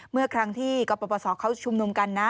เมื่อครั้งที่กรปศเขาชุมนุมกันนะ